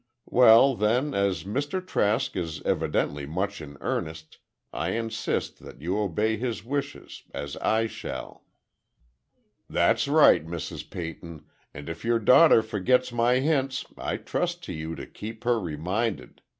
Well, then, as Mr. Trask is evidently much in earnest, I insist that you obey his wishes—as I shall." "That's right, Mrs. Peyton. And if your daughter forgets my hints I trust to you to keep her reminded.